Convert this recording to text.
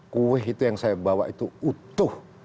kue itu yang saya bawa itu utuh